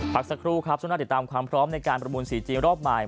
ผักสักครูครับช่วงหน้าเดี๋ยวตามความพร้อมในการประบุญสีจีนรอบหมาย